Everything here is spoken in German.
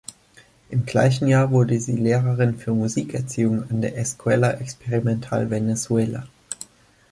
Im gleichen Jahr wurde sie Lehrerin für Musikerziehung an der "Escuela Experimental Venezuela".